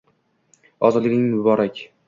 «Ozodliging muborak!»